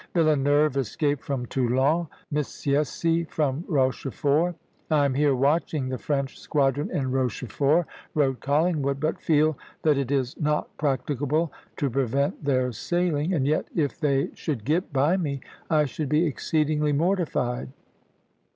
Villeneuve escaped from Toulon, Missiessy from Rochefort. "I am here watching the French squadron in Rochefort," wrote Collingwood, "but feel that it is not practicable to prevent their sailing; and yet, if they should get by me, I should be exceedingly mortified....